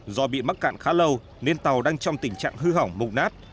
do bị mắc cạn khá lâu nên tàu đang trong tình trạng hư hỏng mục nát